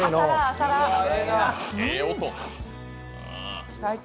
ええ音。